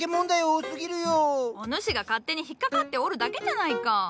お主が勝手にひっかかっておるだけじゃないか。